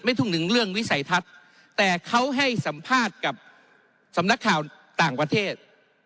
ทุ่งหนึ่งเรื่องวิสัยทัศน์แต่เขาให้สัมภาษณ์กับสำนักข่าวต่างประเทศ